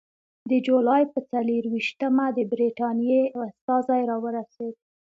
د جولای پر څلېرویشتمه د برټانیې استازی راورسېد.